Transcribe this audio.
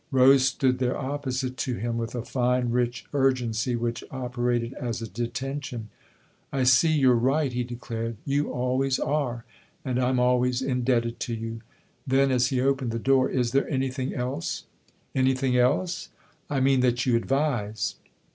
Rose stood there opposite to him with a fine, rich urgency which operated as a detention. " I see you're right," he declared. " You always are, and I'm always indebted to you." Then as he opened the door :" Is there anything else ?"" Any thing else?" " I mean that you advise."